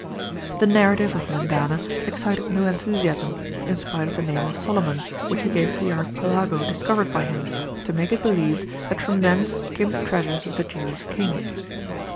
The narrative of Mendana excited no enthusiasm, in spite of the name of Solomon which he gave to the archipelago discovered by him, to make it believed that from thence came the treasures of the Jewish King.